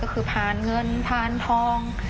ก็คือผ่านเงินผ่านทอง